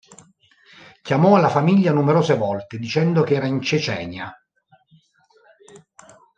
Chiamò la famiglia numerose volte, dicendo che era in Cecenia.